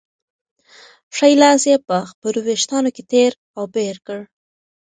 ښی لاس یې په خپلو وېښتانو کې تېر او بېر کړ.